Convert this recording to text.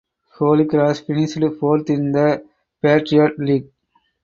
Holy Cross finished fourth in the Patriot League.